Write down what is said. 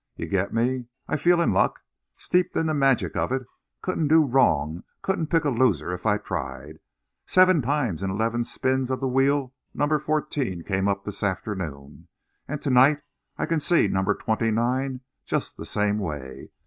You get me? I feel in luck, steeped in the magic of it; couldn't do wrong, couldn't pick a loser if I tried. Seven times in eleven spins of the wheel number fourteen came up this afternoon, and to night I can see number twenty nine just the same way.